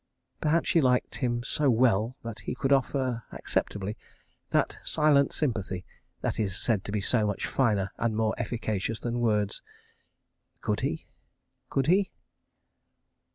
Perhaps she liked him so well that he could offer, acceptably, that Silent Sympathy that is said to be so much finer and more efficacious than words. ... Could he? .. Could he?